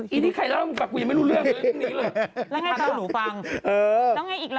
อี้ที่ใครเล่าล่ะกูแบบอย่าไม่รู้เรื่องเหนือนี้เหรอ